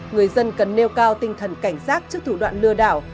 người dân cần nêu cao tinh thần cảnh giác trước thủ đoạn lừa đảo